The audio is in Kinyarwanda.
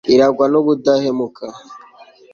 irangwa n'ubudahemuka